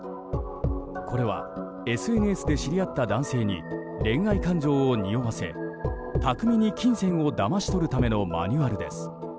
これはＳＮＳで知り合った男性に恋愛感情をにおわせ巧みに金銭をだまし取るためのマニュアルです。